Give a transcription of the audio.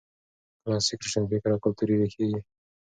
کلاسیک روشنفکر او کلتوري ريښې یې